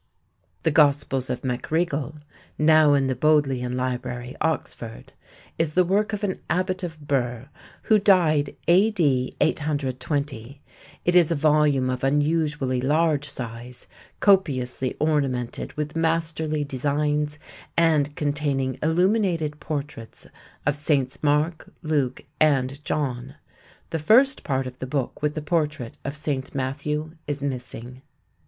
_The Gospels of MacRegol _(now in the Bodleian Library, Oxford) is the work of an Abbot of Birr who died A.D. 820. It is a volume of unusually large size, copiously ornamented with masterly designs and containing illuminated portraits of Saints Mark, Luke, and John. The first part of the book with the portrait of St. Matthew is missing.